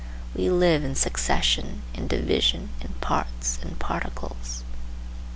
We live in succession, in division, in parts, in particles.